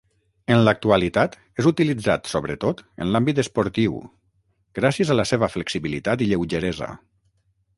En l'actualitat és utilitzat sobretot en l'àmbit esportiu gràcies a la seva flexibilitat i lleugeresa.